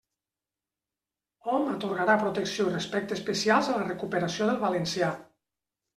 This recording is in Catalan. Hom atorgarà protecció i respecte especials a la recuperació del valencià.